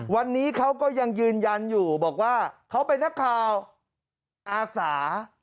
วันนี้เขาก็ยังยืนยันอยู่บอกว่าเขาเป็นนักข่าวอาสา